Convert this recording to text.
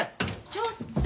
ちょっと！